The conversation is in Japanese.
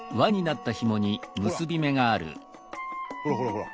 ほらほらほらほら。